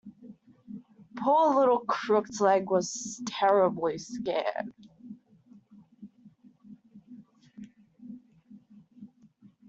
Poor little Crooked-Leg was terribly scared.